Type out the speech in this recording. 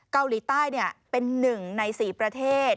เกาหลีใต้เนี่ยเป็นหนึ่งใน๔ประเทศ